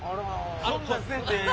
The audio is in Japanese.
こんなんせんでええ。